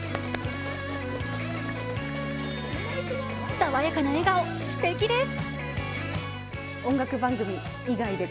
爽やかな笑顔、すてきです。